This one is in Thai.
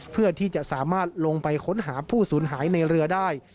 เพื่อที่จะสามารถลงไปค้นหาผู้สูญหายในเรือได้